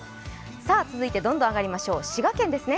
続いてどんどん上がりましょう滋賀県ですね。